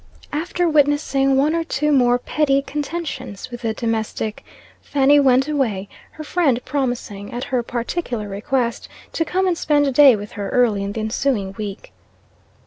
After witnessing one or two mote petty contentions with the domestic, Fanny went away, her friend promising, at her particular request, to come and spend a day with her early in the ensuing week.